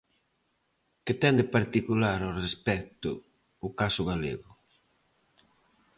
Que ten de particular, ao respecto, o caso galego?